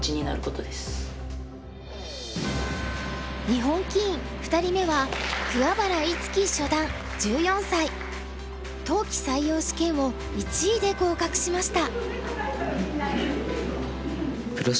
日本棋院２人目は冬季採用試験を１位で合格しました。